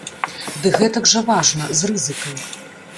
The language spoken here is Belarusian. Ды гэтак жа важна, з рызыкай.